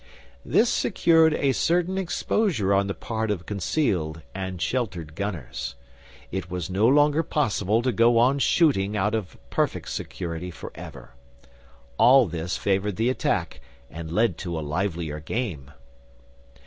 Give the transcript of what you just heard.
This secured a certain exposure on the part of concealed and sheltered gunners. It was no longer possible to go on shooting out of a perfect security for ever. All this favoured the attack and led to a livelier game.